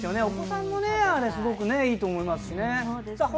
お子さんもすごくいいと思いますね。